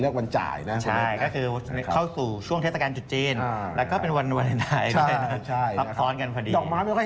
และก็เป็นวันธนาคารครับ